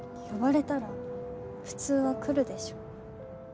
呼ばれたら普通は来るでしょ。